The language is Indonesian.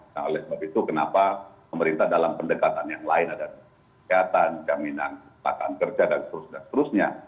nah oleh sebab itu kenapa pemerintah dalam pendekatan yang lain ada kesehatan jaminan pakan kerja dan seterusnya